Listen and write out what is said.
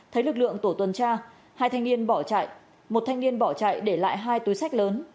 thấy lực lượng tổ tuần tra hai thanh niên bỏ chạy một thanh niên bỏ chạy để lại hai túi sách lớn